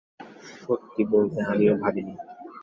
সত্যি বলতে, আমিও ভাবিনি।